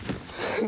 ああ。